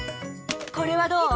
これはどう？